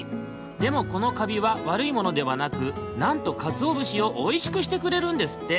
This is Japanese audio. でもこのカビはわるいものではなくなんとかつおぶしをおいしくしてくれるんですって。